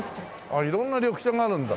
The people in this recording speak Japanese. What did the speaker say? あっ色んな緑茶があるんだ。